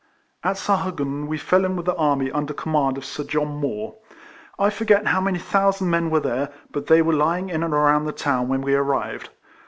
At Sahagun we fell in with the army under command of Sir John Moore. I for get how many thousand men there were; but they were lying in and around the town when we arrived.